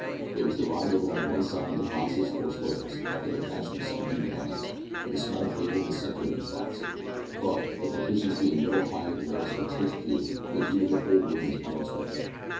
It was divided along one side into boxes or squares, after the fashion of some eating houses, with a small table in the centre of each box, but, the partitions being little higher than those of a church pew, the view of the whole room was unobstructed.